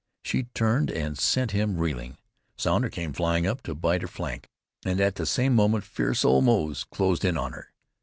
She turned and sent him reeling. Sounder came flying up to bite her flank, and at the same moment fierce old Moze closed in on her.